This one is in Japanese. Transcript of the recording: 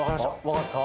わかった？